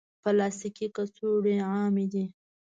پلاستيکي کڅوړې عامې دي.